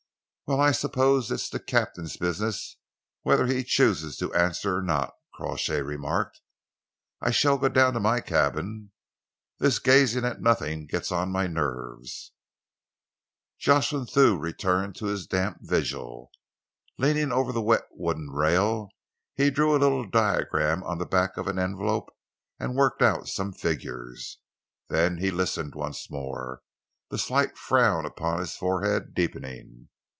"Well, I suppose it's the captain's business whether he chooses to answer or not," Crawshay remarked. "I shall go down to my cabin. This gazing at nothing gets on my nerves." Jocelyn Thew returned to his damp vigil. Leaning over the wet wooden rail, he drew a little diagram on the back of an envelope and worked out some figures. Then he listened once more, the slight frown upon his forehead deepening.